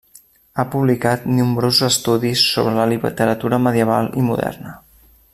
Ha publicat nombrosos estudis sobre la literatura medieval i moderna.